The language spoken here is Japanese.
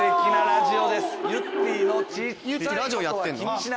ラジオやってるの⁉